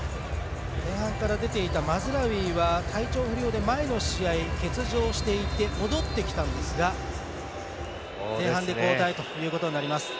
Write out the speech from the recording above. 前半から出ていたマズラウイは体調不良で前の試合、欠場していて戻ってきたんですが前半で交代ということになります。